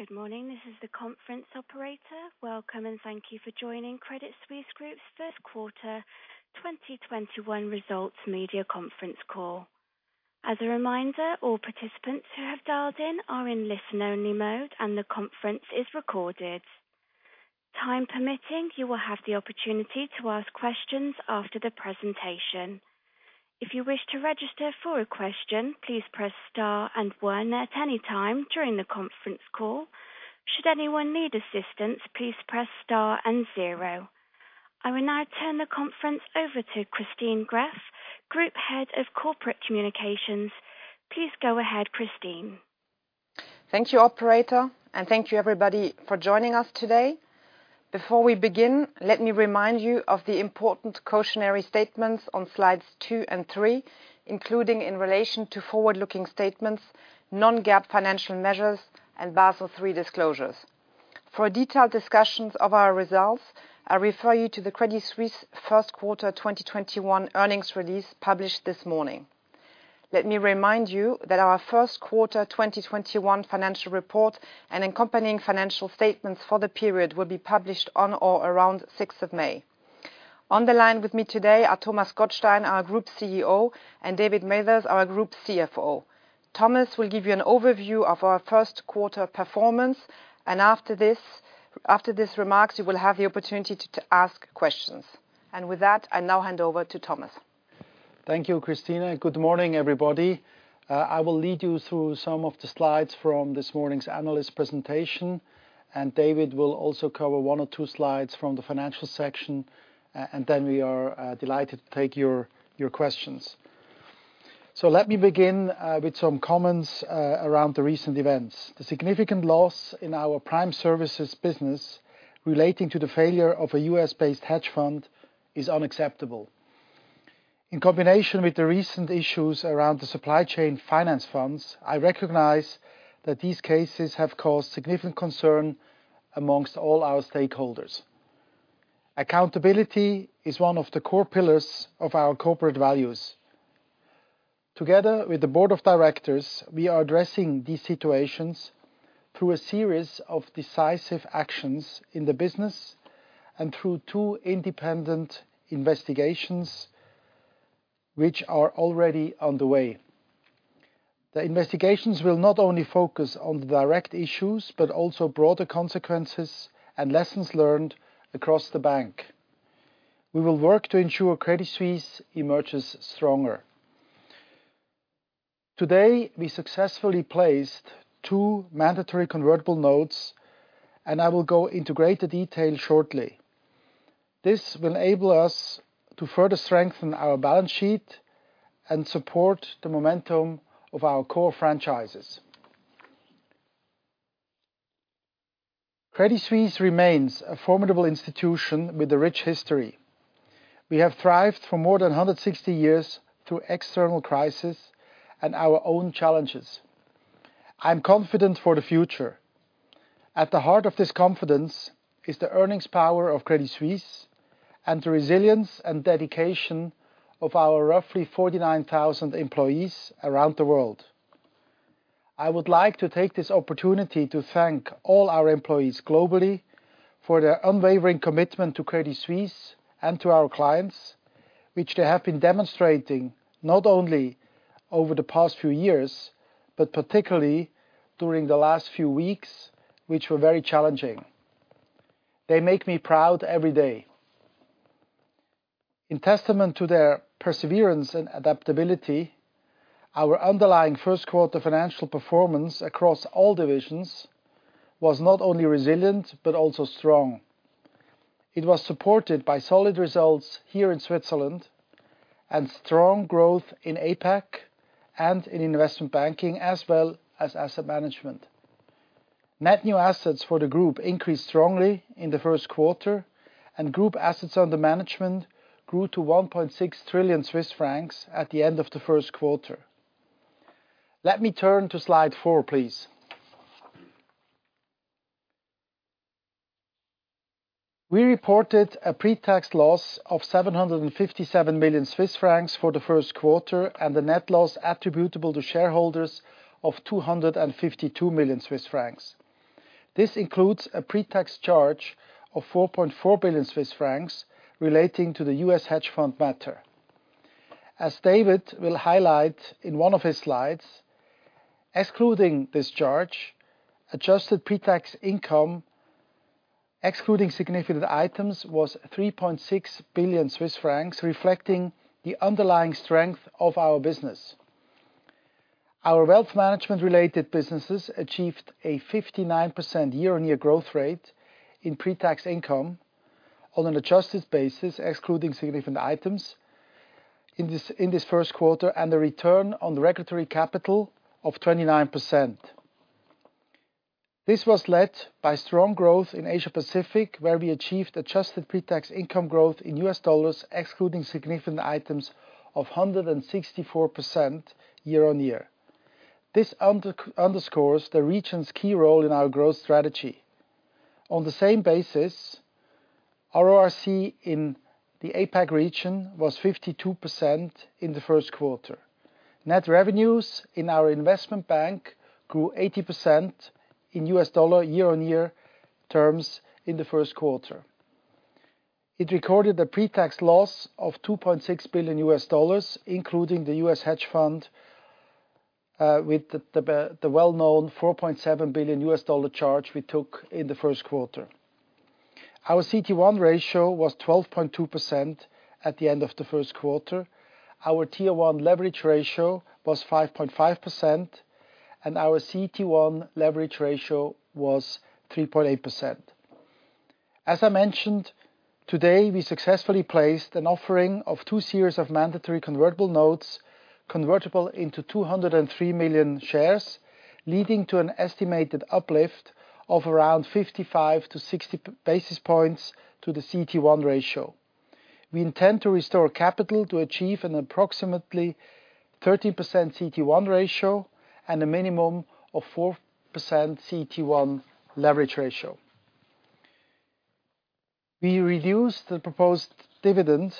Good morning. This is the conference operator. Welcome, thank you for joining Credit Suisse Group's first quarter 2021 results media conference call. As a reminder, all participants who have dialed in are in listen-only mode, and the conference is recorded. Time permitting, you will have the opportunity to ask questions after the presentation. If you wish to register for a question, please press star and one at any time during the conference call. Should anyone need assistance, please press star and zero. I will now turn the conference over to Christine Graeff, Group Head of Corporate Communications. Please go ahead, Christine. Thank you, operator, and thank you, everybody, for joining us today. Before we begin, let me remind you of the important cautionary statements on slides two and three, including in relation to forward-looking statements, non-GAAP financial measures, and Basel III disclosures. For detailed discussions of our results, I refer you to the Credit Suisse first quarter 2021 earnings release published this morning. Let me remind you that our first quarter 2021 financial report and accompanying financial statements for the period will be published on or around the 6th of May. On the line with me today are Thomas Gottstein, our Group CEO, and David Mathers, our Group CFO. Thomas will give you an overview of our first quarter performance, and after these remarks, you will have the opportunity to ask questions. With that, I now hand over to Thomas. Thank you, Christine, good morning, everybody. I will lead you through some of the slides from this morning's analyst presentation, and David will also cover one or two slides from the financial section, and then we are delighted to take your questions. Let me begin with some comments around the recent events. The significant loss in our Prime Services business relating to the failure of a U.S.-based hedge fund is unacceptable. In combination with the recent issues around the Supply Chain Finance funds, I recognize that these cases have caused significant concern amongst all our stakeholders. Accountability is one of the core pillars of our corporate values. Together with the board of directors, we are addressing these situations through a series of decisive actions in the business and through two independent investigations which are already underway. The investigations will not only focus on the direct issues, but also broader consequences and lessons learned across the bank. We will work to ensure Credit Suisse emerges stronger. Today, we successfully placed two mandatory convertible notes, and I will go into greater detail shortly. This will enable us to further strengthen our balance sheet and support the momentum of our core franchises. Credit Suisse remains a formidable institution with a rich history. We have thrived for more than 160 years through external crisis and our own challenges. I'm confident for the future. At the heart of this confidence is the earnings power of Credit Suisse and the resilience and dedication of our roughly 49,000 employees around the world. I would like to take this opportunity to thank all our employees globally for their unwavering commitment to Credit Suisse and to our clients, which they have been demonstrating not only over the past few years, but particularly during the last few weeks, which were very challenging. They make me proud every day. In testament to their perseverance and adaptability, our underlying first quarter financial performance across all divisions was not only resilient but also strong. It was supported by solid results here in Switzerland and strong growth in APAC and in investment banking, as well as asset management. Net new assets for the group increased strongly in the first quarter, and group assets under management grew to 1.6 trillion Swiss francs at the end of the first quarter. Let me turn to slide four, please. We reported a pre-tax loss of 757 million Swiss francs for the first quarter and a net loss attributable to shareholders of 252 million Swiss francs. This includes a pre-tax charge of 4.4 billion Swiss francs relating to the U.S. hedge fund matter. As David will highlight in one of his slides, excluding this charge, adjusted pre-tax income, excluding significant items, was 3.6 billion Swiss francs, reflecting the underlying strength of our business. Our wealth management-related businesses achieved a 59% year-on-year growth rate in pre-tax income on an adjusted basis, excluding significant items in this first quarter, and a return on regulatory capital of 29%. This was led by strong growth in Asia Pacific, where we achieved adjusted pre-tax income growth in U.S. dollars, excluding significant items, of 164% year-on-year. This underscores the region's key role in our growth strategy. On the same basis, RoRC in the APAC region was 52% in the first quarter. Net revenues in our Investment Bank grew 80% in U.S. dollar year-on-year terms in the first quarter. It recorded a pre-tax loss of $2.6 billion, including the U.S. hedge fund, with the well-known $4.7 billion charge we took in the first quarter. Our CET1 ratio was 12.2% at the end of the first quarter. Our Tier 1 leverage ratio was 5.5%, and our CET1 leverage ratio was 3.8%. As I mentioned today, we successfully placed an offering of two series of mandatory convertible notes convertible into 203 million shares, leading to an estimated uplift of around 55 basis points-60 basis points to the CET1 ratio. We intend to restore capital to achieve an approximately 13% CET1 ratio and a minimum of 4% CET1 leverage ratio. We reduced the proposed dividend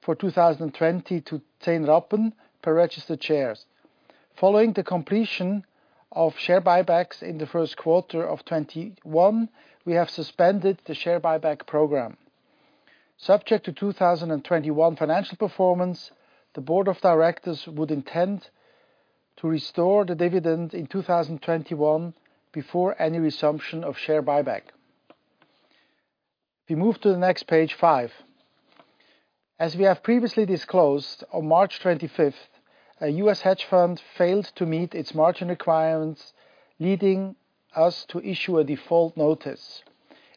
for 2020 to CHF 0.10 per registered shares. Following the completion of share buybacks in the first quarter of 2021, we have suspended the share buyback program. Subject to 2021 financial performance, the board of directors would intend to restore the dividend in 2021 before any resumption of share buyback. We move to the next page five. As we have previously disclosed, on March 25th, a U.S. hedge fund failed to meet its margin requirements, leading us to issue a default notice.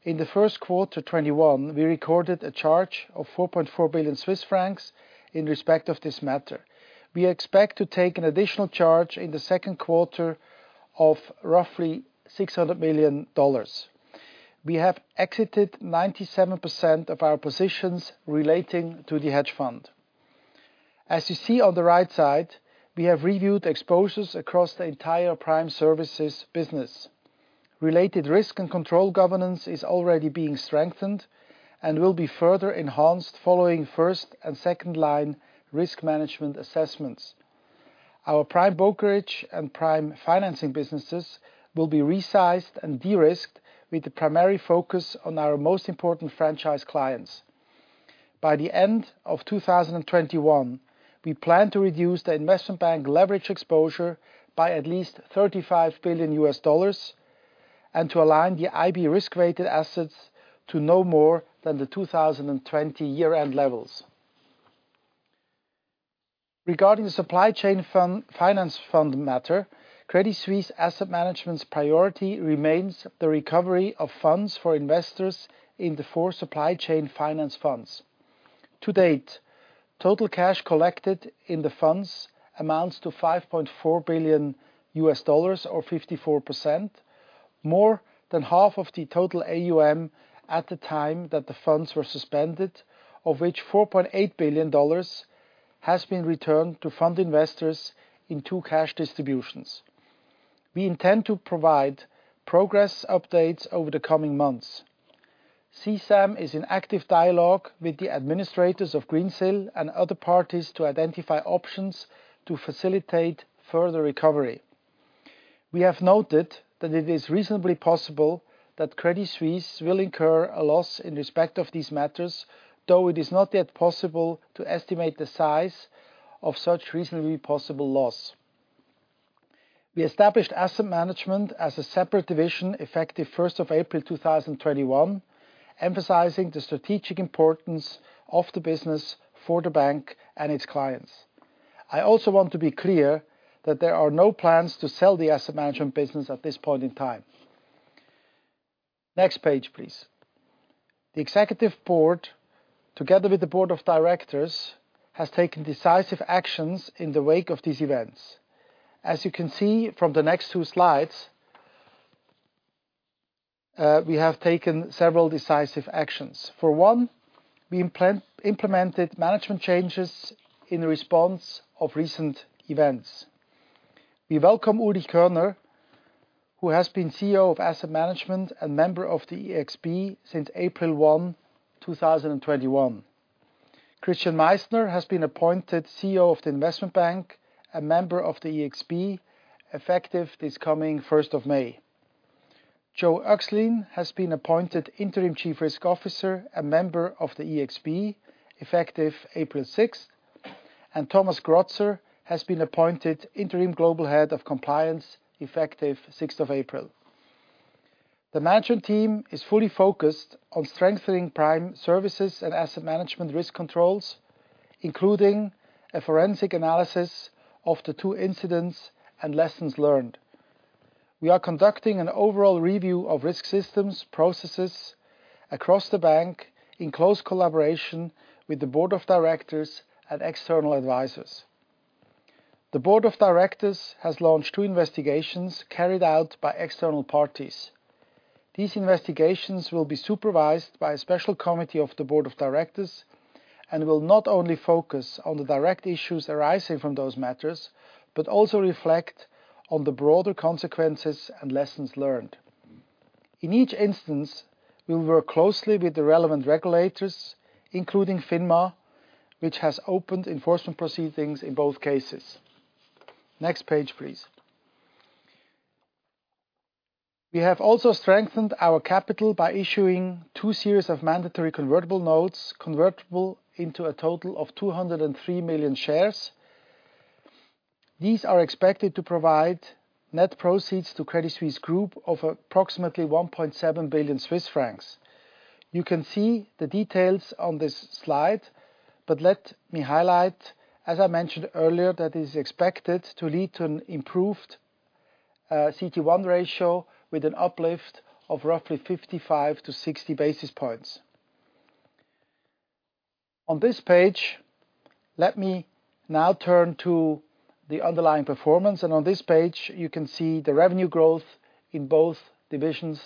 In the first quarter 2021, we recorded a charge of 4.4 billion Swiss francs in respect of this matter. We expect to take an additional charge in the second quarter of roughly CHF 600 million. We have exited 97% of our positions relating to the hedge fund. As you see on the right side, we have reviewed exposures across the entire Prime Services business. Related risk and control governance is already being strengthened and will be further enhanced following first and second-line risk management assessments. Our prime brokerage and prime financing businesses will be resized and de-risked with the primary focus on our most important franchise clients. By the end of 2021, we plan to reduce the investment bank leverage exposure by at least $35 billion and to align the IB risk-weighted assets to no more than the 2020 year-end levels. Regarding the supply chain finance funds matter, Credit Suisse Asset Management's priority remains the recovery of funds for investors in the four supply chain finance funds. To date, total cash collected in the funds amounts to $5.4 billion or 54%, more than half of the total AUM at the time that the funds were suspended, of which $4.8 billion has been returned to fund investors in two cash distributions. We intend to provide progress updates over the coming months. CSAM is in active dialogue with the administrators of Greensill and other parties to identify options to facilitate further recovery. We have noted that it is reasonably possible that Credit Suisse will incur a loss in respect of these matters, though it is not yet possible to estimate the size of such reasonably possible loss. We established asset management as a separate division effective 1st of April 2021, emphasizing the strategic importance of the business for the bank and its clients. I also want to be clear that there are no plans to sell the asset management business at this point in time. Next page, please. The Executive Board, together with the Board of Directors, has taken decisive actions in the wake of these events. As you can see from the next two slides, we have taken several decisive actions. For one, we implemented management changes in response of recent events. We welcome Ulrich Körner, who has been CEO of Asset Management and member of the ExB since April 1, 2021. Christian Meissner has been appointed CEO of the Investment Bank, a member of the ExB, effective this coming 1st of May. Joachim Oechslin has been appointed Interim Chief Risk Officer, a member of the ExB, effective April 6th, and Thomas Grotzer has been appointed Interim Global Head of Compliance effective 6th of April. The management team is fully focused on strengthening Prime Services and Asset Management risk controls, including a forensic analysis of the two incidents and lessons learned. We are conducting an overall review of risk systems, processes across the bank in close collaboration with the Board of Directors and external advisors. The Board of Directors has launched two investigations carried out by external parties. These investigations will be supervised by a special committee of the Board of Directors and will not only focus on the direct issues arising from those matters, but also reflect on the broader consequences and lessons learned. In each instance, we will work closely with the relevant regulators, including FINMA, which has opened enforcement proceedings in both cases. Next page, please. We have also strengthened our capital by issuing two series of mandatory convertible notes, convertible into a total of 203 million shares. These are expected to provide net proceeds to Credit Suisse Group of approximately 1.7 billion Swiss francs. You can see the details on this slide, but let me highlight, as I mentioned earlier, that it is expected to lead to an improved CET1 ratio with an uplift of roughly 55 basis points-60 basis points. On this page, let me now turn to the underlying performance, and on this page, you can see the revenue growth in both divisions,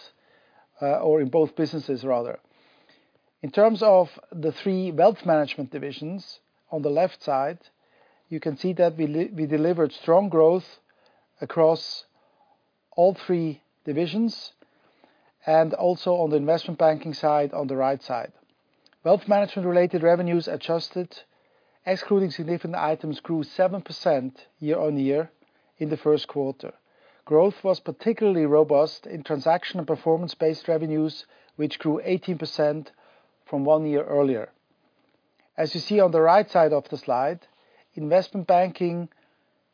or in both businesses, rather. In terms of the three wealth management divisions, on the left side, you can see that we delivered strong growth across all three divisions and also on the investment banking side, on the right side. Wealth management-related revenues, adjusted excluding significant items, grew 7% year-on-year in the first quarter. Growth was particularly robust in transaction and performance-based revenues, which grew 18% from one year earlier. As you see on the right side of the slide, investment banking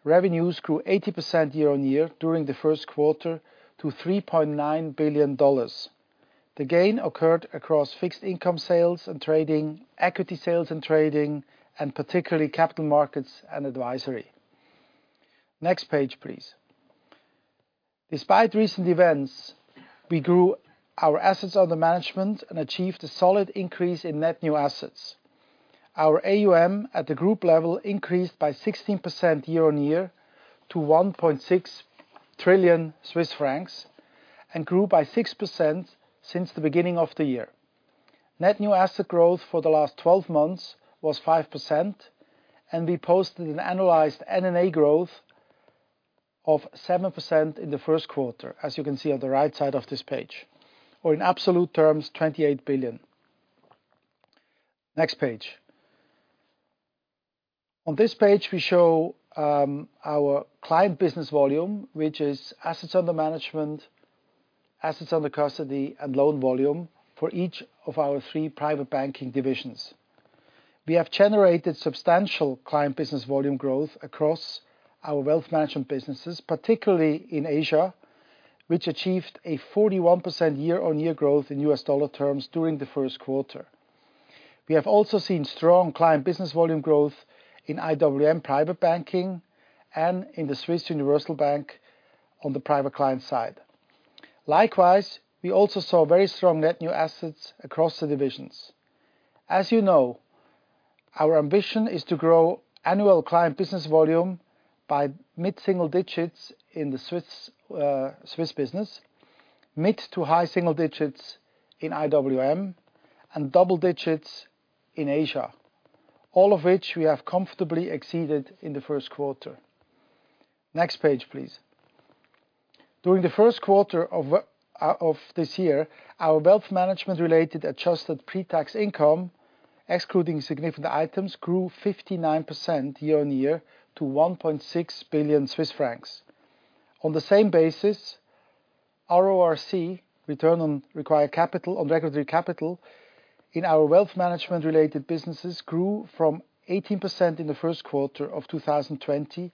revenues grew 80% year-on-year during the first quarter to CHF 3.9 billion. The gain occurred across fixed income sales and trading, equity sales and trading, and particularly capital markets and advisory. Next page, please. Despite recent events, we grew our assets under management and achieved a solid increase in net new assets. Our AUM at the group level increased by 16% year-on-year to 1.6 trillion Swiss francs, and grew by 6% since the beginning of the year. Net new asset growth for the last 12 months was 5%, and we posted an annualized NNA growth of 7% in the first quarter, as you can see on the right side of this page, or in absolute terms, 28 billion. Next page. On this page, we show our client business volume, which is assets under management, assets under custody, and loan volume for each of our three private banking divisions. We have generated substantial client business volume growth across our wealth management businesses, particularly in Asia, which achieved a 41% year-on-year growth in U.S. dollar terms during the first quarter. We have also seen strong client business volume growth in IWM private banking and in the Swiss Universal Bank on the private client side. Likewise, we also saw very strong net new assets across the divisions. As you know, our ambition is to grow annual client business volume by mid-single digits in the Swiss business, mid to high single digits in IWM, and double digits in Asia, all of which we have comfortably exceeded in the first quarter. Next page, please. During the first quarter of this year, our wealth management-related adjusted pre-tax income, excluding significant items, grew 59% year-on-year to 1.6 billion Swiss francs. On the same basis, RoRC, return on regulatory capital, in our wealth management-related businesses grew from 18% in the first quarter of 2020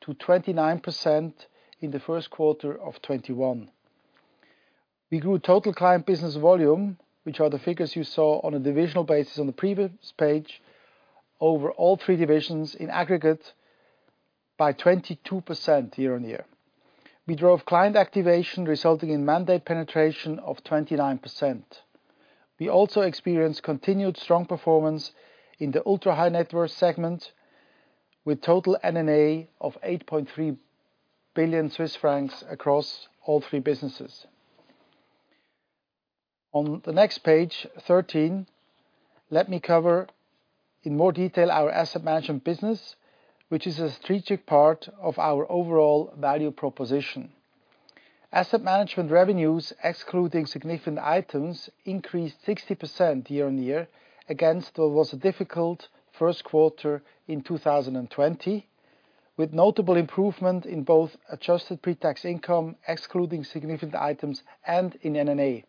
to 29% in the first quarter of 2021. We grew total client business volume, which are the figures you saw on a divisional basis on the previous page, over all three divisions in aggregate by 22% year-on-year. We drove client activation, resulting in mandate penetration of 29%. We also experienced continued strong performance in the ultra-high-net-worth segment with total NNA of 8.3 billion Swiss francs across all three businesses. On the next page, 13, let me cover in more detail our asset management business, which is a strategic part of our overall value proposition. Asset management revenues, excluding significant items, increased 60% year-on-year against what was a difficult first quarter in 2020, with notable improvement in both adjusted pre-tax income, excluding significant items, and in NNA.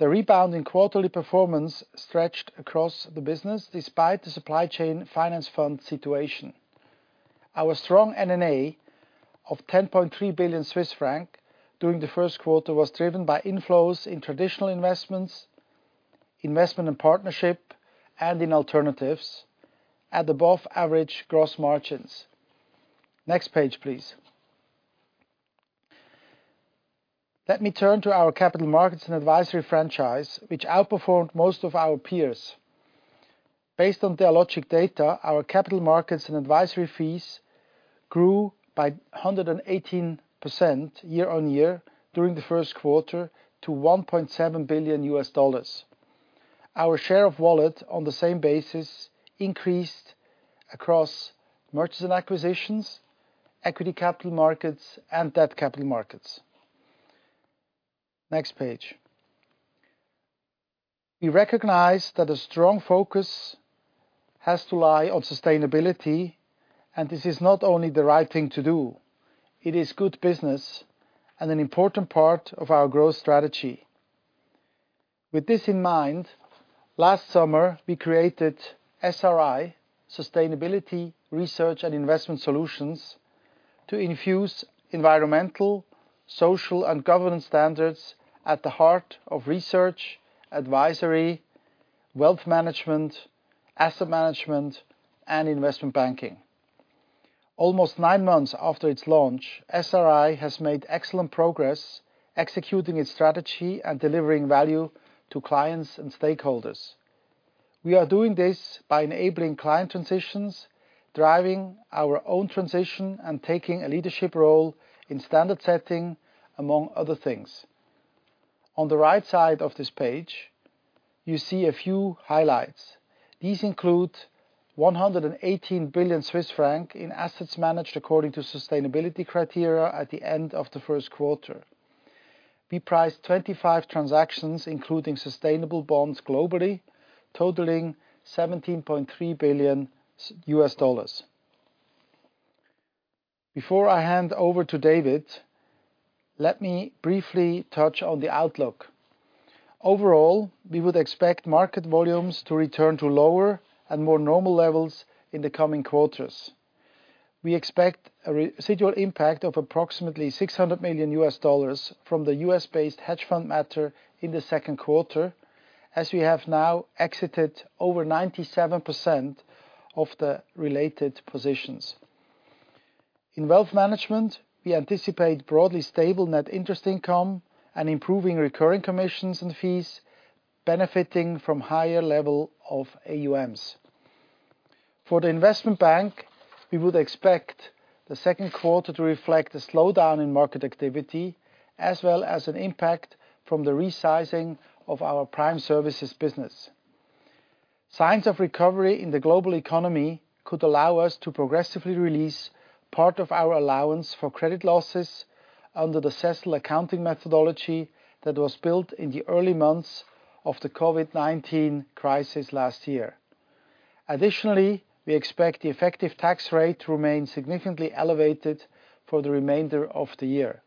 The rebound in quarterly performance stretched across the business despite the supply chain finance funds situation. Our strong NNA of 10.3 billion Swiss franc during the first quarter was driven by inflows in traditional investments, investment in partnership, and in alternatives at above-average gross margins. Next page, please. Let me turn to our capital markets and advisory franchise, which outperformed most of our peers. Based on Dealogic data, our capital markets and advisory fees grew by 118% year-on-year during the first quarter to $1.7 billion. Our share of wallet on the same basis increased across mergers and acquisitions, equity capital markets, and debt capital markets. Next page. We recognize that a strong focus has to lie on sustainability. This is not only the right thing to do, it is good business and an important part of our growth strategy. With this in mind, last summer, we created SRI, Sustainability, Research & Investment Solutions, to infuse environmental, social, and governance standards at the heart of research, advisory, wealth management, asset management, and investment banking. Almost nine months after its launch, SRI has made excellent progress executing its strategy and delivering value to clients and stakeholders. We are doing this by enabling client transitions, driving our own transition, and taking a leadership role in standard setting, among other things. On the right side of this page, you see a few highlights. These include 118 billion Swiss francs in assets managed according to sustainability criteria at the end of the first quarter. We priced 25 transactions, including sustainable bonds globally, totaling $17.3 billion. Before I hand over to David, let me briefly touch on the outlook. Overall, we would expect market volumes to return to lower and more normal levels in the coming quarters. We expect a residual impact of approximately $600 million from the U.S.-based hedge fund matter in the second quarter, as we have now exited over 97% of the related positions. In wealth management, we anticipate broadly stable net interest income and improving recurring commissions and fees, benefiting from higher level of AUM. For the investment bank, we would expect the second quarter to reflect a slowdown in market activity, as well as an impact from the resizing of our Prime Services business. Signs of recovery in the global economy could allow us to progressively release part of our allowance for credit losses under the CECL accounting methodology that was built in the early months of the COVID-19 crisis last year. Additionally, we expect the effective tax rate to remain significantly elevated for the remainder of the year.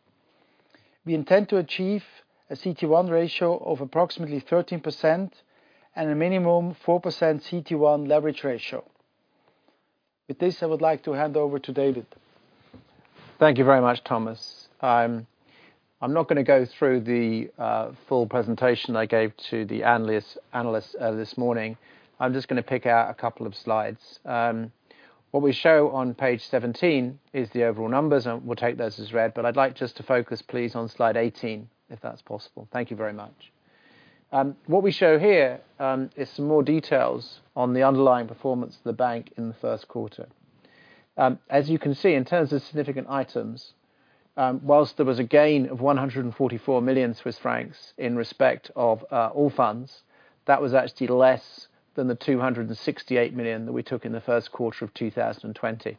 We intend to achieve a CET1 ratio of approximately 13% and a minimum 4% CET1 leverage ratio. With this, I would like to hand over to David. Thank you very much, Thomas. I'm not going to go through the full presentation I gave to the analysts this morning. I'm just going to pick out a couple of slides. What we show on page 17 is the overall numbers, and we'll take those as read, but I'd like just to focus, please, on slide 18, if that's possible. Thank you very much. What we show here is some more details on the underlying performance of the bank in the first quarter. As you can see, in terms of significant items, whilst there was a gain of 144 million Swiss francs in respect of Allfunds, that was actually less than the 268 million that we took in the first quarter of 2020.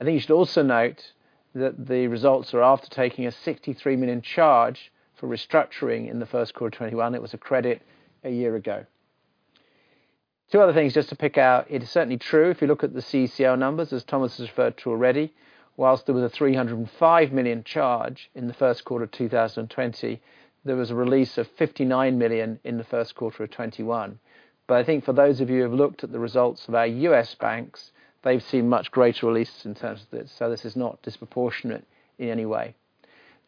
I think you should also note that the results are after taking a 63 million charge for restructuring in the first quarter of 2021. It was a credit a year ago. Two other things just to pick out. It is certainly true, if you look at the CECL numbers, as Thomas has referred to already, whilst there was a 305 million charge in the first quarter of 2020, there was a release of 59 million in the first quarter of 2021. I think for those of you who have looked at the results of our U.S. banks, they've seen much greater releases in terms of this is not disproportionate in any way.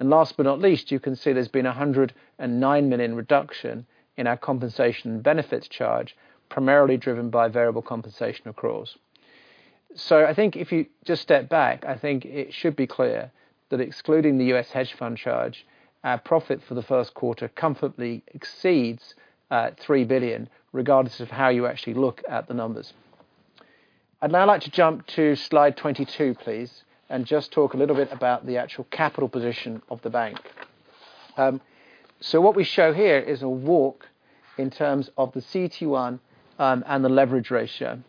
Last but not least, you can see there's been a 109 million reduction in our compensation and benefits charge, primarily driven by variable compensation accruals. I think if you just step back, I think it should be clear that excluding the U.S. hedge fund charge, our profit for the first quarter comfortably exceeds 3 billion, regardless of how you actually look at the numbers. I'd now like to jump to slide 22, please, and just talk a little bit about the actual capital position of the bank. What we show here is a walk in terms of the CET1 and the leverage ratio.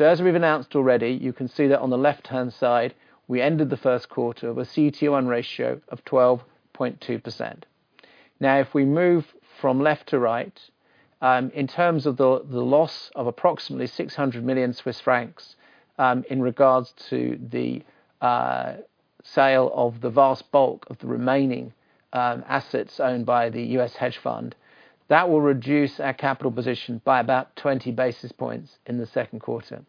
As we've announced already, you can see that on the left-hand side, we ended the first quarter with CET1 ratio of 12.2%. If we move from left to right, in terms of the loss of approximately 600 million Swiss francs in regards to the sale of the vast bulk of the remaining assets owned by the U.S. hedge fund, that will reduce our capital position by about 20 basis points in the second quarter.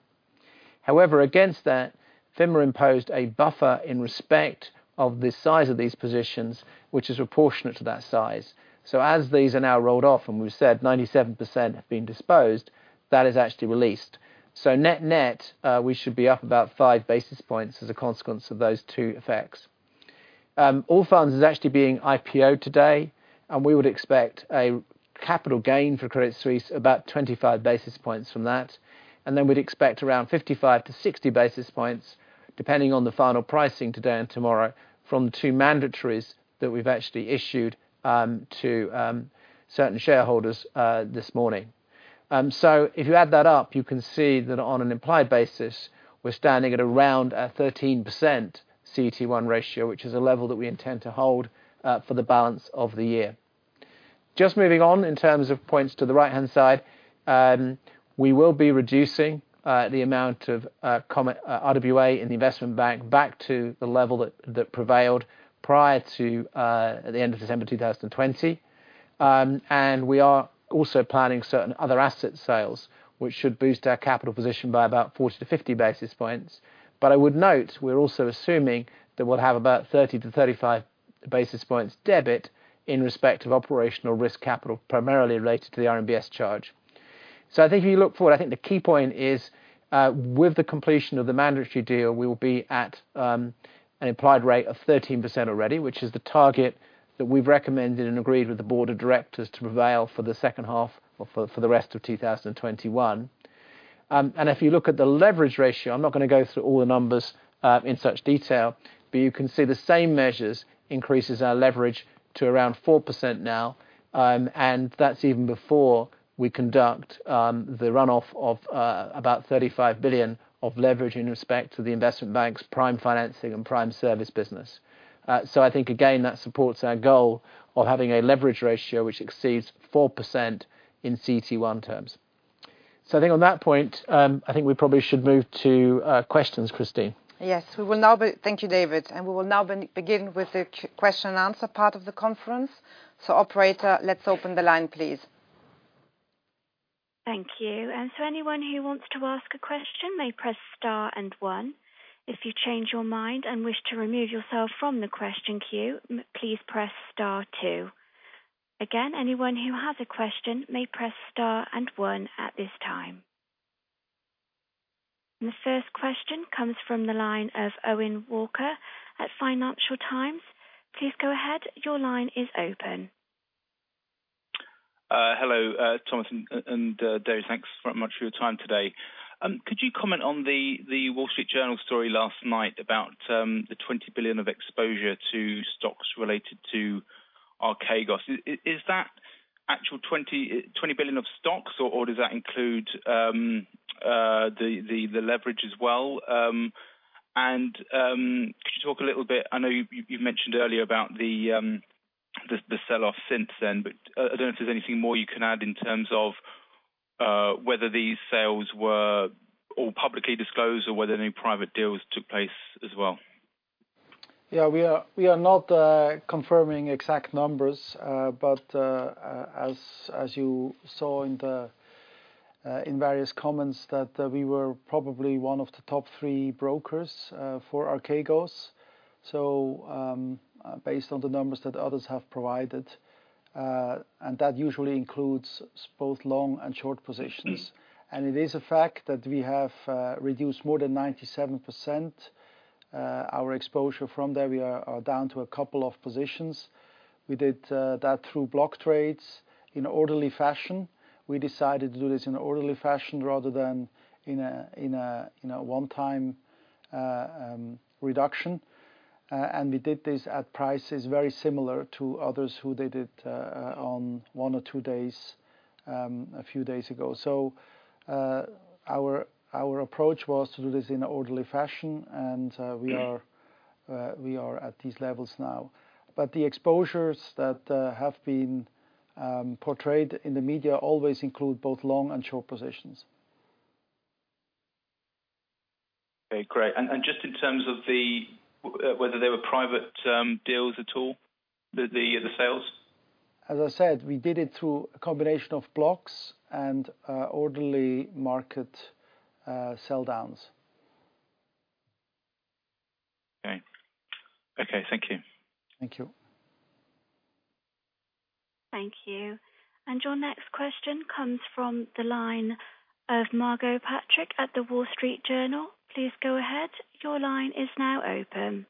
Against that, FINMA imposed a buffer in respect of the size of these positions, which is proportionate to that size. As these are now rolled off, and we've said 97% have been disposed, that is actually released. Net-net, we should be up about 5 basis points as a consequence of those two effects. Allfunds is actually being IPO'd today, and we would expect a capital gain for Credit Suisse about 25 basis points from that. We'd expect around 55 basis points-60 basis points, depending on the final pricing today and tomorrow, from two mandatories that we've actually issued to certain shareholders this morning. If you add that up, you can see that on an implied basis, we're standing at around a 13% CET1 ratio, which is a level that we intend to hold for the balance of the year. Just moving on, in terms of points to the right-hand side, we will be reducing the amount of RWA in the Investment Bank back to the level that prevailed prior to the end of December 2020. We are also planning certain other asset sales, which should boost our capital position by about 40 basis points-50 basis points. I would note, we're also assuming that we'll have about 30 basis points-35 basis points debit in respect of operational risk capital, primarily related to the RMBS charge. I think if you look forward, I think the key point is, with the completion of the mandatory deal, we will be at an implied rate of 13% already, which is the target that we've recommended and agreed with the board of directors to prevail for the second half or for the rest of 2021. If you look at the leverage ratio, I'm not going to go through all the numbers in such detail, you can see the same measures increases our leverage to around 4% now, that's even before we conduct the runoff of about 35 billion of leverage in respect to the investment bank's prime financing and Prime Services business. I think, again, that supports our goal of having a leverage ratio which exceeds 4% in CET1 terms. I think on that point, I think we probably should move to questions, Christine. Yes. Thank you, David. We will now begin with the question and answer part of the conference. Operator, let's open the line, please. Thank you. Anyone who wants to ask a question may press star one. If you change your mind and wish to remove yourself from the question queue, please press star two. Again, anyone who has a question may press star one at this time. The first question comes from the line of Owen Walker at Financial Times. Please go ahead, your line is open. Hello, Thomas and David. Thanks very much for your time today. Could you comment on The Wall Street Journal story last night about the 20 billion of exposure to stocks related to Archegos? Is that actual 20 billion of stocks, or does that include the leverage as well? Could you talk a little bit, I know you've mentioned earlier about the sell-off since then, but I don't know if there's anything more you can add in terms of whether these sales were all publicly disclosed or whether any private deals took place as well. Yeah, we are not confirming exact numbers, but as you saw in various comments, that we were probably one of the top three brokers for Archegos. Based on the numbers that others have provided, and that usually includes both long and short positions. It is a fact that we have reduced more than 97% our exposure from there. We are down to a couple of positions. We did that through block trades in orderly fashion. We decided to do this in an orderly fashion rather than in a one-time reduction. We did this at prices very similar to others who did it on one or two days, a few days ago. Our approach was to do this in an orderly fashion, and we are at these levels now. The exposures that have been portrayed in the media always include both long and short positions. Okay, great. Just in terms of whether they were private deals at all, the sales? As I said, we did it through a combination of blocks and orderly market sell downs. Okay. Thank you. Thank you. Thank you. Your next question comes from the line of Margot Patrick at The Wall Street Journal. Please go ahead, your line is now open.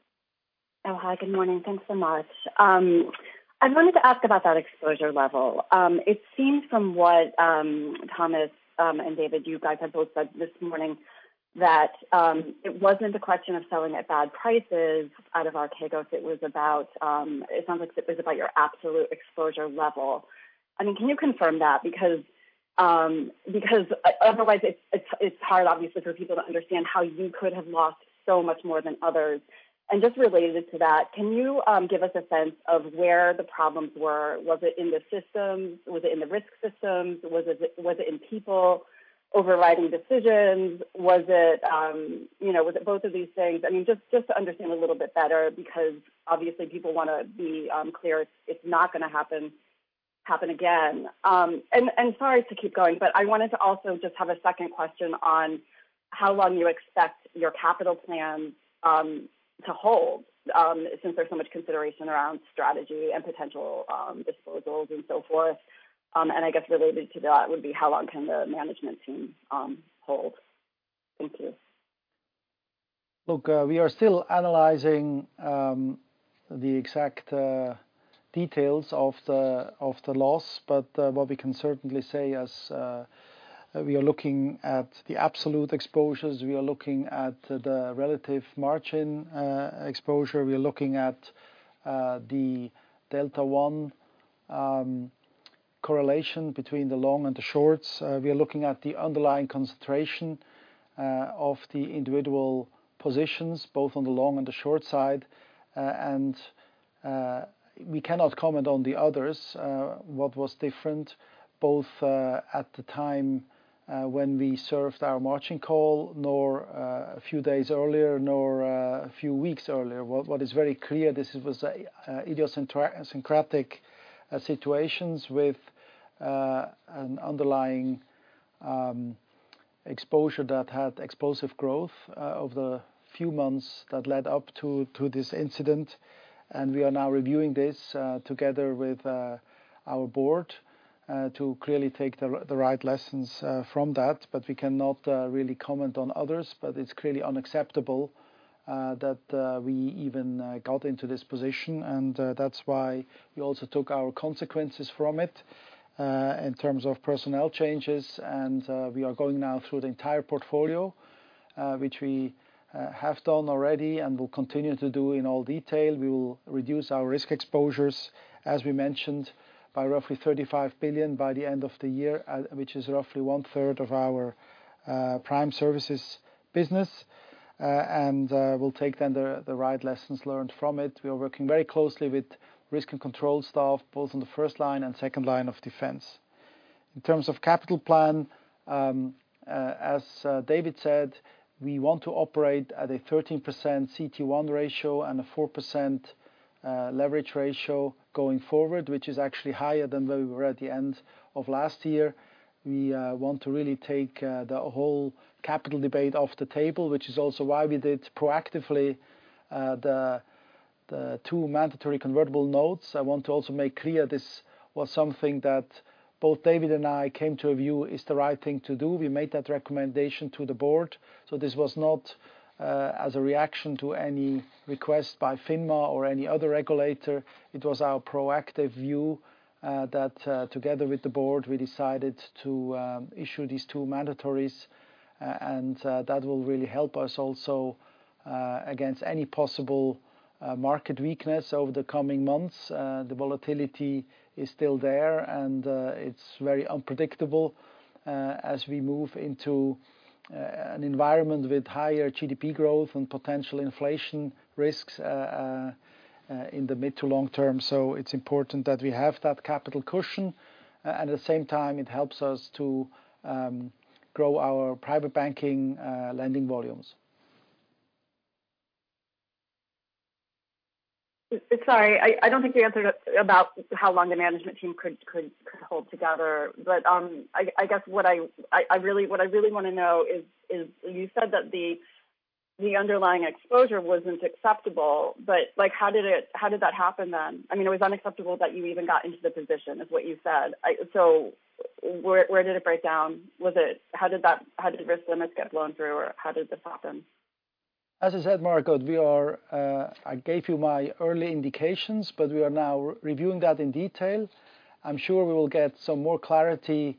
Oh, hi. Good morning. Thanks so much. I wanted to ask about that exposure level. It seems from what Thomas and David, you guys have both said this morning, that it wasn't a question of selling at bad prices out of Archegos. It sounds like it was about your absolute exposure level. I mean, can you confirm that? Otherwise it's hard, obviously, for people to understand how you could have lost so much more than others. Just related to that, can you give us a sense of where the problems were? Was it in the systems? Was it in the risk systems? Was it in people overriding decisions? Was it both of these things? I mean, just to understand a little bit better, because obviously people want to be clear it's not going to happen again. Sorry to keep going, but I wanted to also just have a second question on how long you expect your capital plan to hold, since there's so much consideration around strategy and potential disposals and so forth. I guess related to that would be how long can the management team hold? Thank you. Look, we are still analyzing the exact details of the loss, but what we can certainly say is we are looking at the absolute exposures. We are looking at the relative margin exposure. We are looking at the delta one correlation between the long and the shorts. We are looking at the underlying concentration of the individual positions, both on the long and the short side. We cannot comment on the others, what was different both at the time when we served our margin call, nor a few days earlier, nor a few weeks earlier. What is very clear, this was idiosyncratic situations with an underlying exposure that had explosive growth over the few months that led up to this incident. We are now reviewing this together with our board to clearly take the right lessons from that. We cannot really comment on others. It's clearly unacceptable that we even got into this position, and that's why we also took our consequences from it, in terms of personnel changes, and we are going now through the entire portfolio, which we have done already and will continue to do in all detail. We will reduce our risk exposures, as we mentioned, by roughly 35 billion by the end of the year, which is roughly 1/3 of our Prime Services business. We'll take then the right lessons learned from it. We are working very closely with risk and control staff, both on the first line and second line of defense. In terms of capital plan, as David said, we want to operate at a 13% CET1 ratio and a 4% leverage ratio going forward, which is actually higher than where we were at the end of last year. We want to really take the whole capital debate off the table, which is also why we did proactively the two mandatory convertible notes. I want to also make clear this was something that both David and I came to a view is the right thing to do. We made that recommendation to the board. This was not as a reaction to any request by FINMA or any other regulator. It was our proactive view that, together with the board, we decided to issue these two mandatories, and that will really help us also against any possible market weakness over the coming months. The volatility is still there, and it's very unpredictable as we move into an environment with higher GDP growth and potential inflation risks in the mid to long term. It's important that we have that capital cushion. At the same time, it helps us to grow our private banking lending volumes. I don't think you answered about how long the management team could hold together. I guess what I really want to know is you said that the underlying exposure wasn't acceptable, but how did that happen then? It was unacceptable that you even got into the position, is what you said. Where did it break down? How did the risk limits get blown through or how did this happen? As I said, Margot, I gave you my early indications, but we are now reviewing that in detail. I'm sure we will get some more clarity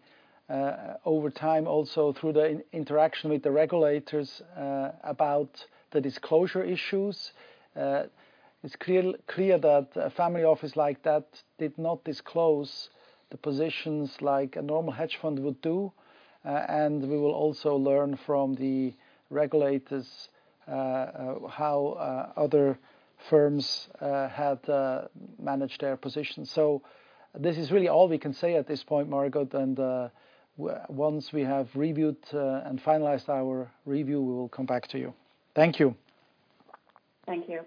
over time also through the interaction with the regulators about the disclosure issues. It's clear that a family office like that did not disclose the positions like a normal hedge fund would do. We will also learn from the regulators how other firms had managed their positions. This is really all we can say at this point, Margot, and once we have reviewed and finalized our review, we will come back to you. Thank you. Thank you.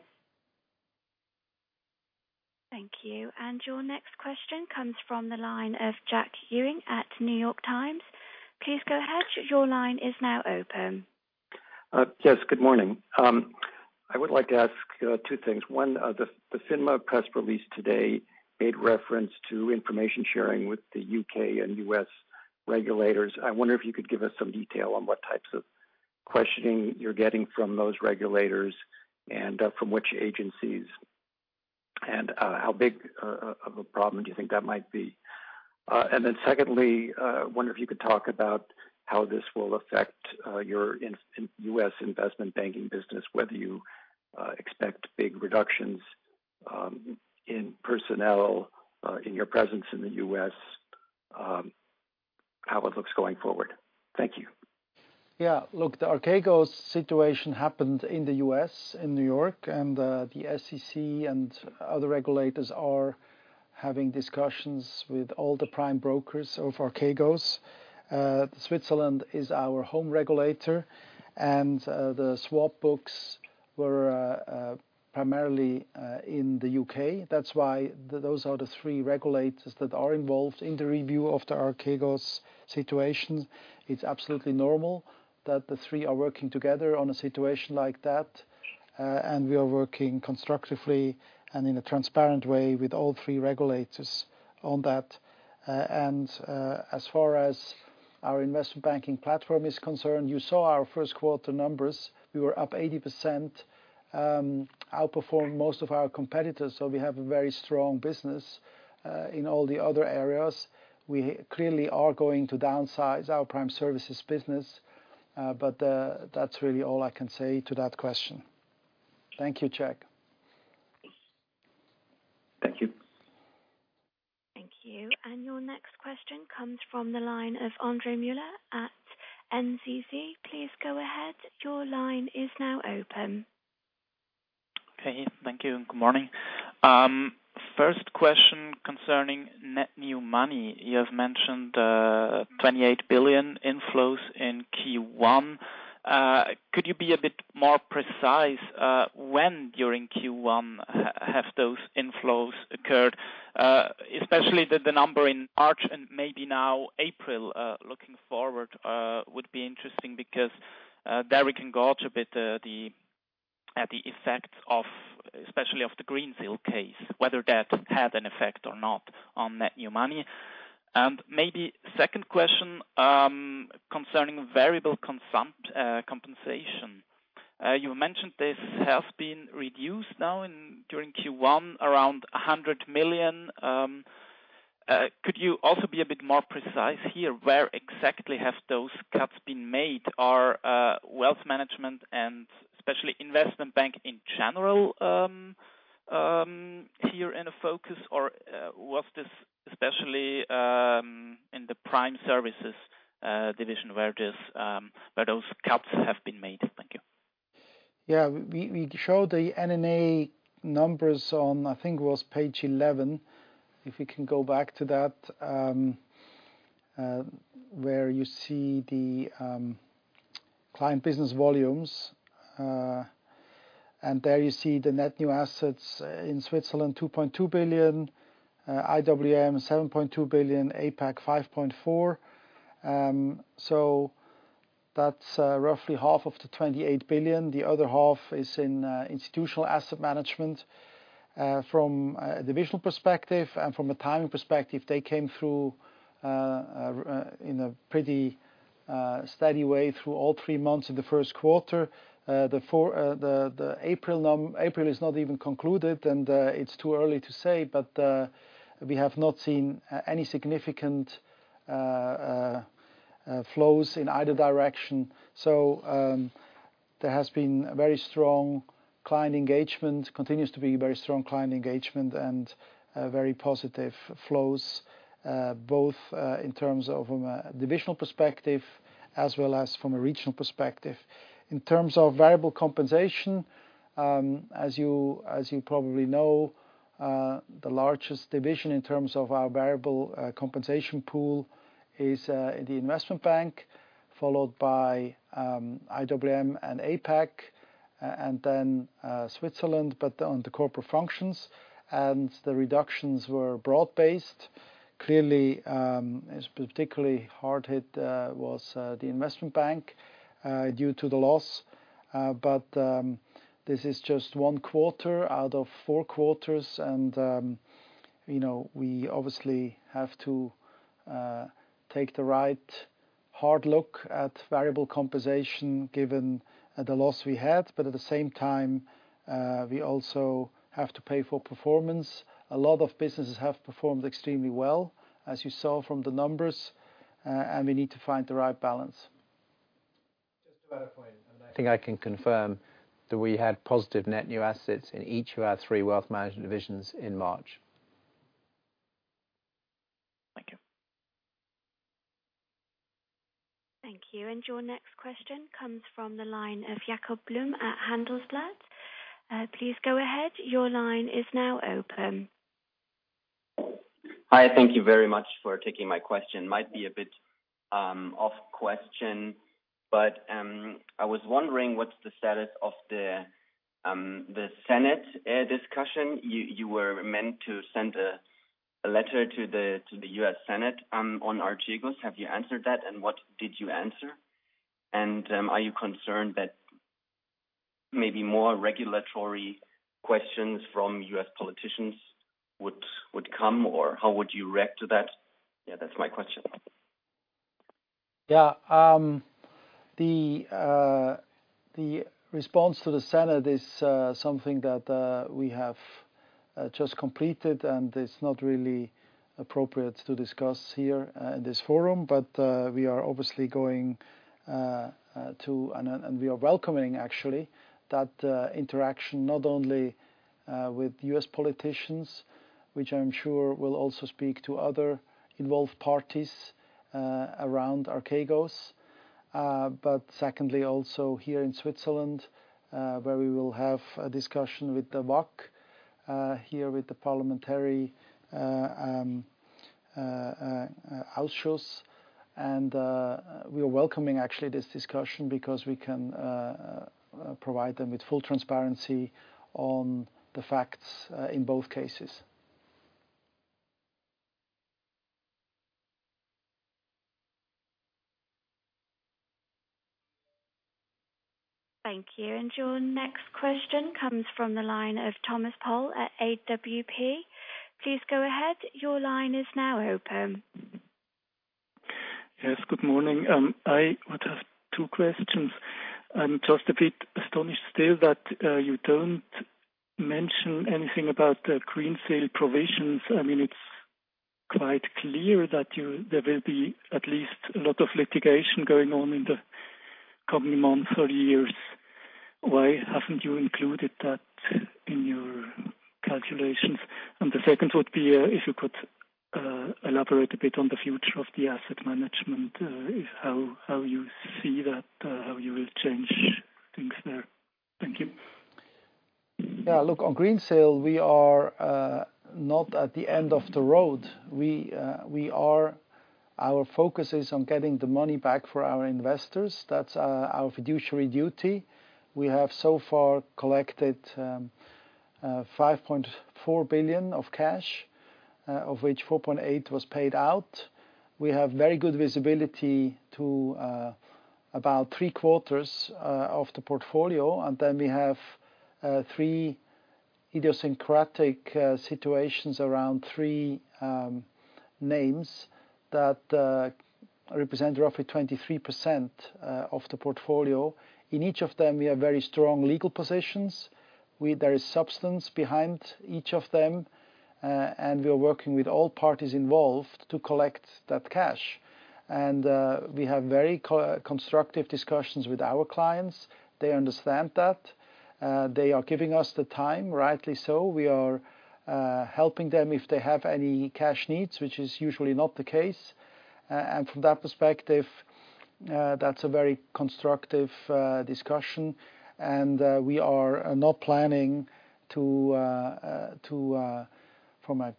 Thank you. Your next question comes from the line of Jack Ewing at New York Times. Please go ahead, your line is now open. Yes, good morning. I would like to ask two things. One, the FINMA press release today made reference to information-sharing with the U.K. and U.S. regulators. I wonder if you could give us some detail on what types of questioning you're getting from those regulators, and from which agencies, and how big of a problem do you think that might be? Secondly, I wonder if you could talk about how this will affect your U.S. investment banking business, whether you expect big reductions in personnel in your presence in the U.S., how it looks going forward. Thank you. Yeah. Look, the Archegos situation happened in the U.S., in New York, and the SEC and other regulators are having discussions with all the prime brokers of Archegos. Switzerland is our home regulator. The swap books were primarily in the U.K. That's why those are the three regulators that are involved in the review of the Archegos situation. It's absolutely normal that the three are working together on a situation like that. We are working constructively and in a transparent way with all three regulators on that. As far as our investment banking platform is concerned, you saw our first quarter numbers. We were up 80%, outperforming most of our competitors, so we have a very strong business in all the other areas. We clearly are going to downsize our Prime Services business. That's really all I can say to that question. Thank you, Jack. Thank you. Thank you. Your next question comes from the line of André Müller at NZZ. Please go ahead. Hey. Thank you and good morning. First question concerning net new money. You have mentioned 28 billion inflows in Q1. Could you be a bit more precise, when during Q1 have those inflows occurred? Especially the number in March and maybe now April, looking forward, would be interesting because there we can gauge a bit the effect especially of the Greensill case, whether that had an effect or not on net new money. Maybe second question, concerning variable compensation. You mentioned this has been reduced now during Q1 around 100 million. Could you also be a bit more precise here? Where exactly have those cuts been made? Are wealth management and especially Investment Bank in general here in a focus, or was this especially in the Prime Services division where those cuts have been made? Thank you. Yeah. We show the NNA numbers on, I think it was page 11, if we can go back to that, where you see the client business volumes. There you see the net new assets in Switzerland, 2.2 billion, IWM, 7.2 billion, APAC, 5.4 billion. That's roughly half of the 28 billion. The other half is in institutional asset management. From a divisional perspective and from a timing perspective, they came through in a pretty steady way through all three months in the first quarter. April is not even concluded, and it's too early to say, but we have not seen any significant flows in either direction. There has been a very strong client engagement, continues to be very strong client engagement and very positive flows, both in terms of from a divisional perspective as well as from a regional perspective. In terms of variable compensation, as you probably know, the largest division in terms of our variable compensation pool is the Investment Bank, followed by IWM and APAC, and then Switzerland, but on the corporate functions. The reductions were [broad based]. Clearly, it's particularly hard hit the Investment Bank due to the loss. This is just one quarter out of four quarters and we obviously have to take the right hard look at variable compensation given the loss we had. At the same time, we also have to pay for performance. A lot of businesses have performed extremely well, as you saw from the numbers, and we need to find the right balance. Just to add a point, I think I can confirm that we had positive net new assets in each of our three wealth management divisions in March. Thank you. Thank you. Your next question comes from the line of Jakob Blume at Handelsblatt. Please go ahead, your line is now open. Hi. Thank you very much for taking my question. Might be a bit off question, I was wondering what's the status of the Senate discussion. You were meant to send a letter to the U.S. Senate on Archegos. Have you answered that, what did you answer? Are you concerned that maybe more regulatory questions from U.S. politicians would come, or how would you react to that? Yeah, that's my question. Yeah. The response to the Senate is something that we have just completed, and it's not really appropriate to discuss here in this forum. We are obviously going to, and we are welcoming actually that interaction, not only with U.S. politicians, which I'm sure will also speak to other involved parties around Archegos. Secondly, also here in Switzerland, where we will have a discussion with the WAK here with the parliamentary Ausschuss. We are welcoming actually this discussion because we can provide them with full transparency on the facts in both cases. Thank you. Your next question comes from the line of Thomas Boll at AWP. Please go ahead. Your line is now open. Yes. Good morning. I would have two questions. I'm just a bit astonished still that you don't mention anything about the Greensill provisions. It's quite clear that there will be at least a lot of litigation going on in the coming months or years. Why haven't you included that in your calculations? The second would be, if you could elaborate a bit on the future of the Asset Management, how you see that, how you will change things there. Thank you. Look, on Greensill, we are not at the end of the road. Our focus is on getting the money back for our investors. That's our fiduciary duty. We have so far collected 5.4 billion of cash, of which 4.8 billion was paid out. We have very good visibility to about 3/4 of the portfolio, and then we have three idiosyncratic situations around three names that represent roughly 23% of the portfolio. In each of them, we have very strong legal positions. There is substance behind each of them, and we are working with all parties involved to collect that cash. We have very constructive discussions with our clients. They understand that. They are giving us the time, rightly so. We are helping them if they have any cash needs, which is usually not the case. From that perspective, that's a very constructive discussion. We are not planning, from a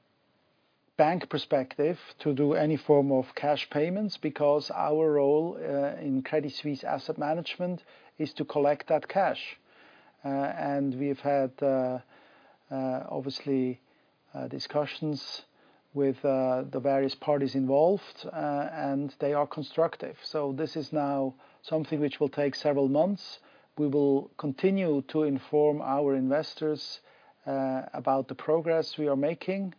bank perspective, to do any form of cash payments because our role in Credit Suisse Asset Management is to collect that cash. We've had, obviously, discussions with the various parties involved, and they are constructive. This is now something which will take several months. We will continue to inform our investors about the progress we are making.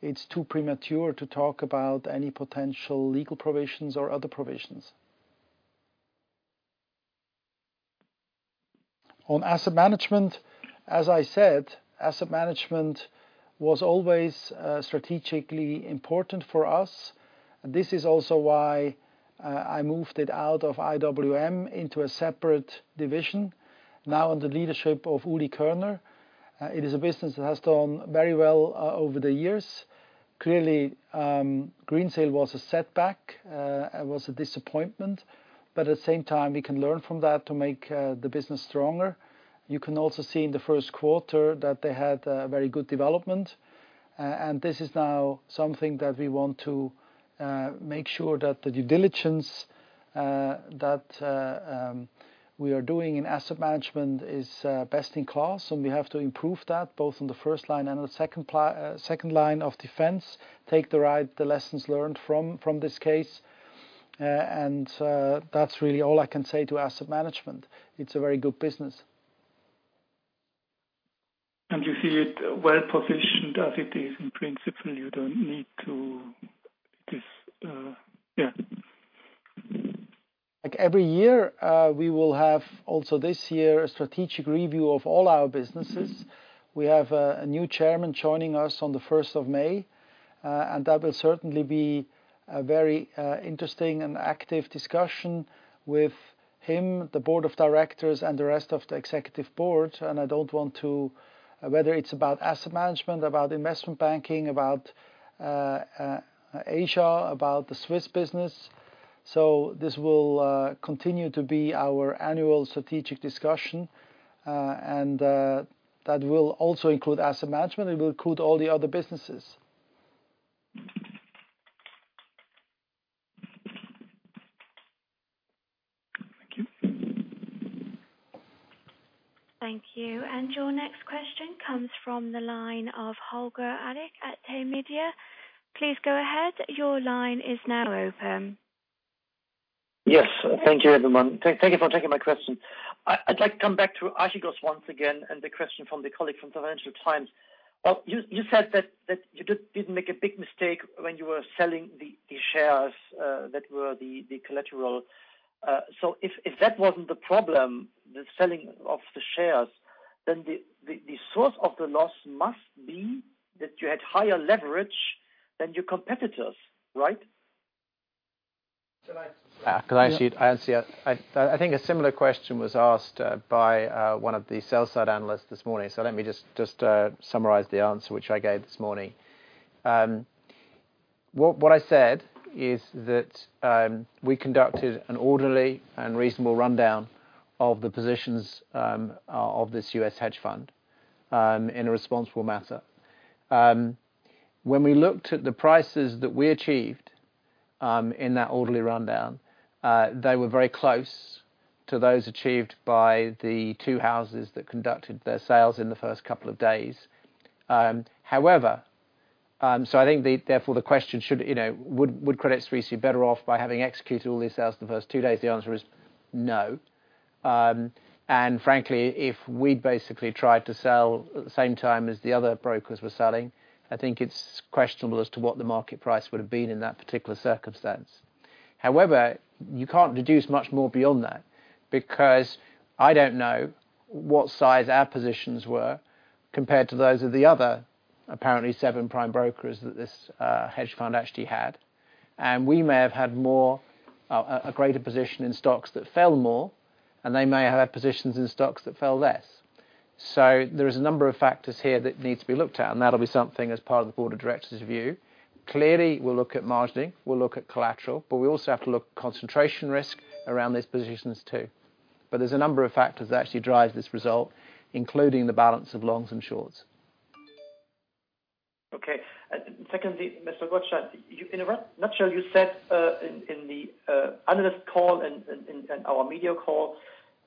It's too premature to talk about any potential legal provisions or other provisions. On asset management, as I said, asset management was always strategically important for us. This is also why I moved it out of IWM into a separate division, now under the leadership of Ulrich Körner. It is a business that has done very well over the years. Clearly, Greensill was a setback. It was a disappointment, but at the same time, we can learn from that to make the business stronger. You can also see in the first quarter that they had a very good development. This is now something that we want to make sure that the due diligence that we are doing in Asset Management is best in class, and we have to improve that, both on the first line and on the second line of defense, take the lessons learned from this case. That's really all I can say to Asset Management. It's a very good business. You see it well-positioned as it is? Yeah. Like every year, we will have also this year a strategic review of all our businesses. We have a new chairman joining us on the 1st of May, and that will certainly be a very interesting and active discussion with him, the board of directors, and the rest of the executive board. Whether it's about Asset Management, about Investment Banking, about Asia, about the Swiss business. This will continue to be our annual strategic discussion, and that will also include asset management. It will include all the other businesses. Thank you. Thank you. Your next question comes from the line of Holger Alich at Tamedia. Please go ahead. Your line is now open. Yes. Thank you, everyone. Thank you for taking my question. I'd like to come back to Archegos once again and the question from the colleague from Financial Times. You said that you didn't make a big mistake when you were selling the shares that were the collateral. If that wasn't the problem, the selling of the shares, then the source of the loss must be that you had higher leverage than your competitors, right? Can I answer? I think a similar question was asked by one of the sell-side analysts this morning. Let me just summarize the answer which I gave this morning. What I said is that we conducted an orderly and reasonable rundown of the positions of this U.S. hedge fund in a responsible matter. When we looked at the prices that we achieved in that orderly rundown, they were very close to those achieved by the two houses that conducted their sales in the first couple of days. I think, therefore, the question, would Credit Suisse be better off by having executed all these sales in the first two days? The answer is no. Frankly, if we'd basically tried to sell at the same time as the other brokers were selling, I think it's questionable as to what the market price would've been in that particular circumstance. You can't deduce much more beyond that because I don't know what size our positions were compared to those of the other, apparently seven prime brokers that this hedge fund actually had. We may have had a greater position in stocks that fell more, and they may have had positions in stocks that fell less. There is a number of factors here that need to be looked at, and that'll be something as part of the board of directors' review. Clearly, we'll look at margining, we'll look at collateral, but we also have to look at concentration risk around these positions, too. There's a number of factors that actually drives this result, including the balance of longs and shorts. Secondly, Mr. Gottstein, in a nutshell, you said in the analyst call and our media call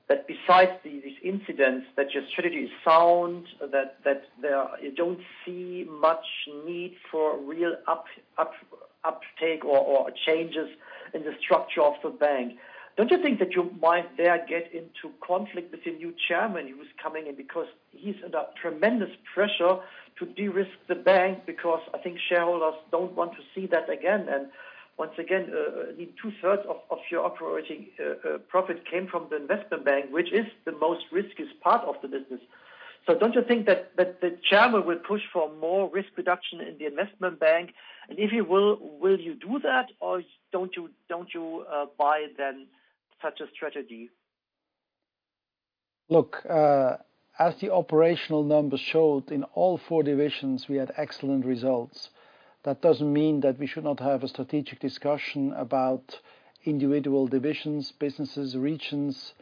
that besides these incidents that your strategy is sound, that you don't see much need for real uptake or changes in the structure of the bank. Don't you think that you might there get into conflict with your new chairman who's coming in because he's under tremendous pressure to de-risk the bank because I think shareholders don't want to see that again, and once again, I think 2/3 of your operating profit came from the Investment Bank, which is the most riskiest part of the business. If he will you do that, or don't you buy, then, such a strategy? As the operational numbers showed, in all four divisions, we had excellent results. That doesn't mean that we should not have a strategic discussion about individual divisions, businesses, regions,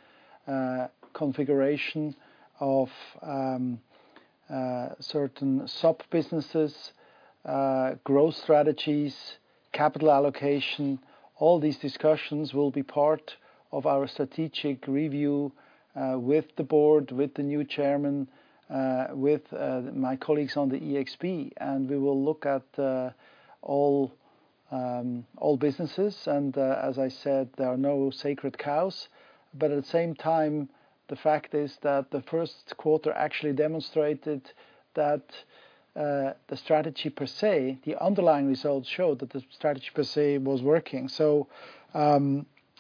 configuration of certain sub-businesses, growth strategies, capital allocation. All these discussions will be part of our strategic review with the board, with the new chairman, with my colleagues on the ExB and we will look at all businesses and as I said, there are no sacred cows. At the same time, the fact is that the first quarter actually demonstrated that the strategy per se, the underlying results showed that the strategy per se was working.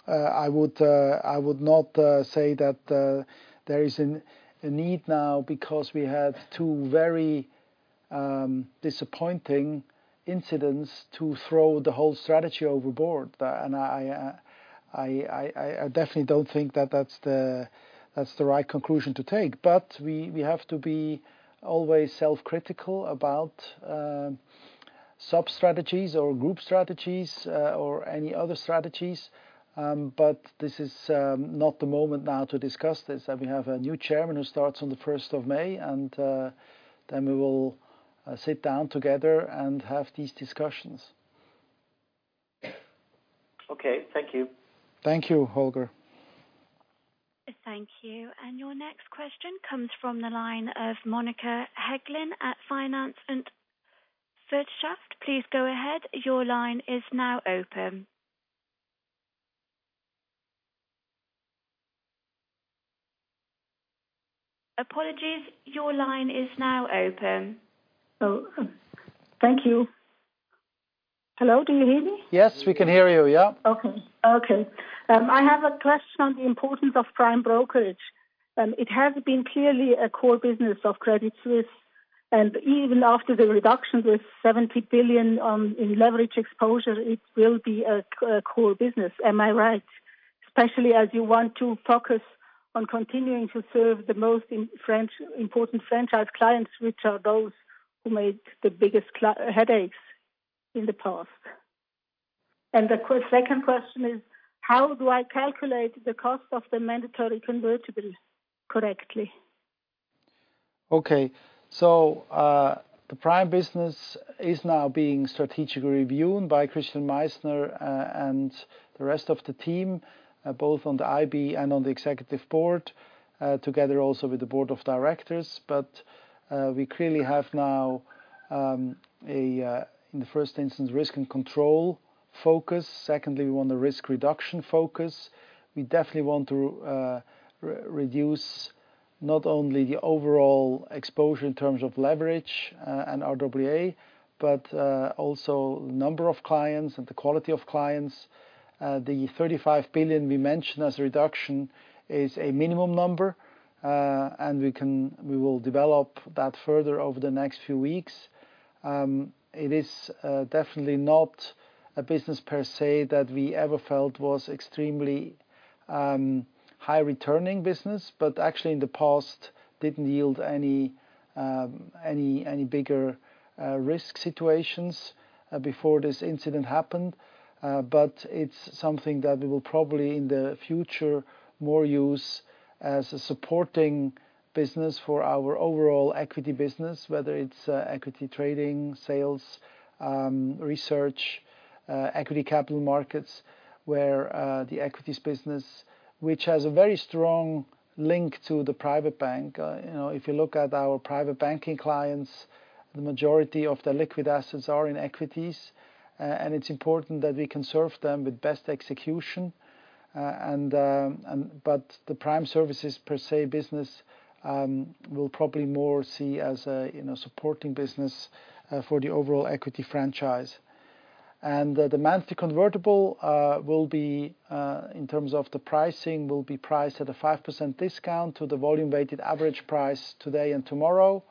I would not say that there is a need now because we had two very disappointing incidents to throw the whole strategy overboard. I definitely don't think that that's the right conclusion to take. We have to be always self-critical about sub-strategies or group strategies, or any other strategies. This is not the moment now to discuss this. We have a new chairman who starts on the 1st of May, then we will sit down together and have these discussions. Okay. Thank you. Thank you, Holger. Thank you. Your next question comes from the line of Monica Hegglin at Finanz und Wirtschaft. Please go ahead. Your line is now open. Oh, thank you. Hello, do you hear me? Yes, we can hear you. Yeah. Okay. I have a question on the importance of prime brokerage. It has been clearly a core business of Credit Suisse, and even after the reduction, the 70 billion in leverage exposure, it will be a core business. Am I right? Especially as you want to focus on continuing to serve the most important franchise clients, which are those who made the biggest headaches in the past. The second question is, how do I calculate the cost of the mandatory convertibles correctly? The Prime Services business is now being strategically reviewed by Christian Meissner and the rest of the team, both on the IB and on the Executive Board, together also with the Board of Directors. We clearly have now, in the first instance, risk and control focus. Secondly, we want a risk reduction focus. We definitely want to reduce not only the overall exposure in terms of leverage and RWA, but also number of clients and the quality of clients. The 35 billion we mentioned as a reduction is a minimum number, we will develop that further over the next few weeks. It is definitely not a business per se that we ever felt was extremely high-returning business, actually in the past didn't yield any bigger risk situations before this incident happened. It's something that we will probably, in the future, more use as a supporting business for our overall equity business, whether it's equity trading, sales, research, equity capital markets, where the equities business, which has a very strong link to the private bank. If you look at our private banking clients, the majority of the liquid assets are in equities. It's important that we can serve them with best execution. The Prime Services per se business, we'll probably more see as a supporting business for the overall equity franchise. The mandatory convertible, in terms of the pricing, will be priced at a 5% discount to the volume-weighted average price today and tomorrow.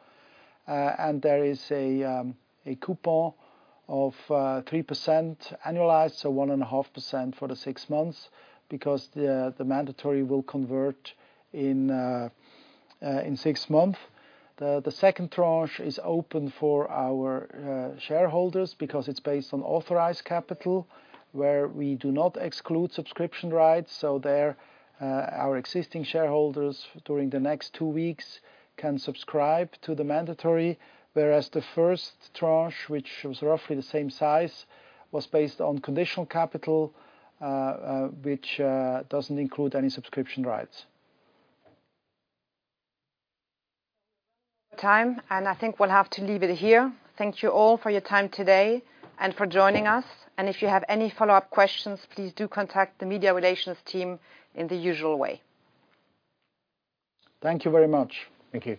There is a coupon of 3% annualized, so 1.5% for the six months because the mandatory will convert in six months. The second tranche is open for our shareholders because it's based on authorized capital, where we do not exclude subscription rights. There, our existing shareholders during the next two weeks can subscribe to the mandatory, whereas the first tranche, which was roughly the same size, was based on conditional capital, which doesn't include any subscription rights. Time, I think we'll have to leave it here. Thank you all for your time today and for joining us. If you have any follow-up questions, please do contact the media relations team in the usual way. Thank you very much. Thank you.